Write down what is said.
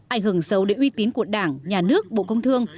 ảnh hưởng sâu đến uy tín của đảng nhà nước bộ công thương